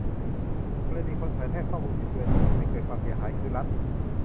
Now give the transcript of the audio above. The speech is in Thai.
กรณีคนเผยแพร่ข้อมูลบิดเบือนที่มุ่งให้เกิดความเสียหายคือรัฐ